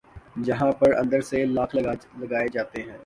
جہاں پر اندر سے لاک لگائے جاتے ہیں